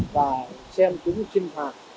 và xem chúng sinh hoạt